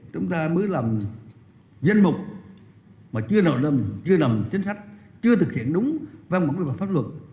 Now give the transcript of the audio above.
chúng ta mới làm dân mục mà chưa làm chính sách chưa thực hiện đúng văn quân văn pháp luật